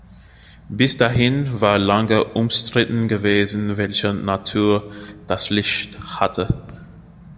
Bis dahin war lange umstritten gewesen, welche Natur das Licht hatte.